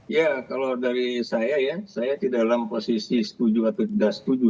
ya kalau dari saya ya saya di dalam posisi setuju atau tidak setuju